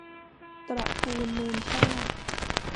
ตระกูลมูลชาติ